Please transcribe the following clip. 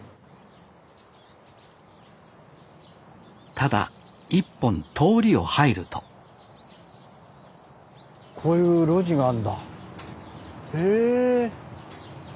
ただ一本通りを入るとこういう路地があんだへえ。